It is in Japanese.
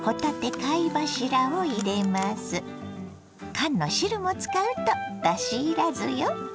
缶の汁も使うとだしいらずよ。